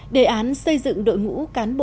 đề án xây dựng đội ngũ cán bộ